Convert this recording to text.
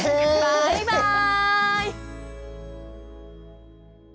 バイバーイ！